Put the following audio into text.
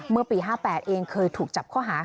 เมื่อปี๕๘เองเคยถูกจับข้อหา